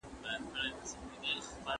تضاد بايد له منځه ولاړ سي.